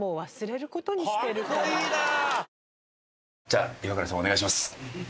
じゃあイワクラさんお願いします。